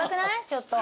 ちょっと。